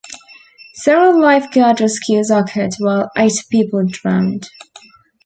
Several life guard rescues occurred, while eight people drowned.